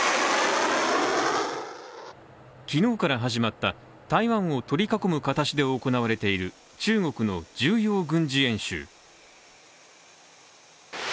昨日から始まった台湾を取り囲む形で行われている中国の重要軍事演習。